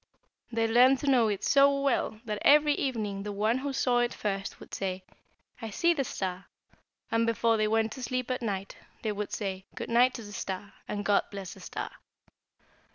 They learned to know it so well that every evening the one who saw it first would say, 'I see the star,' and before they went to sleep at night they would say 'Good night' to the star, and, 'God bless the star!'